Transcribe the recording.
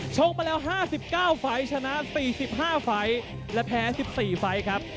ชกมาแล้ว๕๙ไฟล์ชนะ๔๕ไฟล์และแพ้๑๔ไฟล์ครับ